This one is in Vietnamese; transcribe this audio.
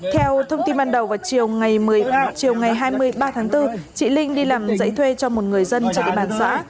theo thông tin ban đầu vào chiều ngày hai mươi ba tháng bốn chị linh đi làm dậy thuê cho một người dân chạy đi bàn xã